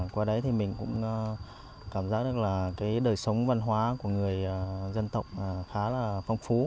qua đấy thì mình cũng cảm giác được là cái đời sống văn hóa của người dân tộc khá là phong phú